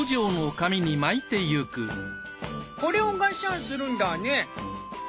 これをがっしゃんするんだね。